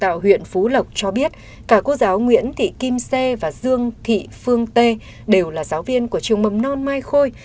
giáo tạo huyện phú lộc cho biết cả cô giáo nguyễn thị kim xê và dương thị phương tê đều là giáo viên của trường mầm non mai khôi